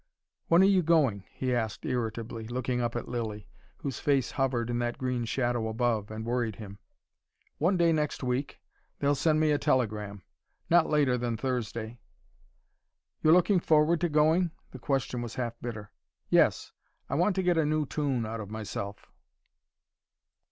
"When are you going?" he asked irritably, looking up at Lilly, whose face hovered in that green shadow above, and worried him. "One day next week. They'll send me a telegram. Not later than Thursday." "You're looking forward to going?" The question was half bitter. "Yes. I want to get a new tune out of myself."